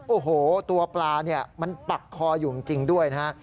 โอ้โหตัวปลาเนี่ยมันปักคออยู่จริงด้วยนะฮะ